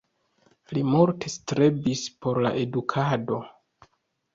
Li multe strebis por la edukado.